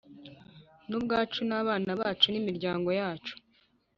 ni ubwacu n’abana bacu nimiryango yacu